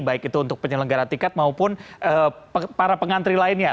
baik itu untuk penyelenggara tiket maupun para pengantri lainnya